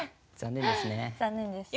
残念ですね。